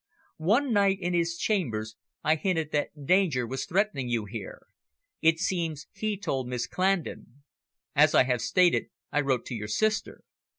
One night, in his chambers, I hinted that danger was threatening you here. It seems he told Miss Clandon. As I have stated, I wrote to your sister.